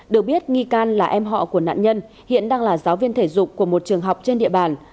được biết nghi can là em họ của nạn nhân hiện đang là giáo viên thể dục của một trường học trên địa bàn